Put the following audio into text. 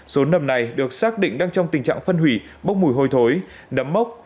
số nầm này được xác định đang trong tình trạng phân hủy bốc mùi hôi thối nấm mốc